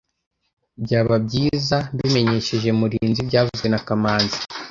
Byaba byiza mbimenyesheje Murinzi byavuzwe na kamanzi